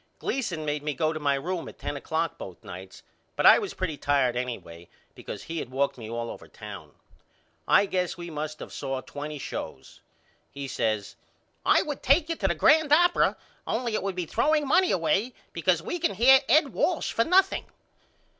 Gleason made me go to my room at ten o'clock both nights but I was pretty tired anyway because he had walked me all over town. I guess we must of saw twenty shows. He says I would take you to the grand opera only it would be throwing money away because we can hear Ed Walsh for nothing.